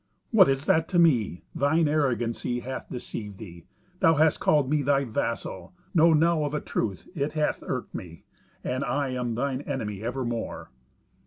"What is that to me? Thine arrogancy hath deceived thee. Thou hast called me thy vassal. Know now of a truth it hath irked me, and I am thine enemy evermore."